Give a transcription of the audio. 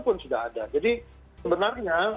pun sudah ada jadi sebenarnya